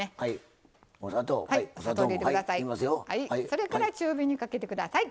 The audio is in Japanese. それから中火にかけてください。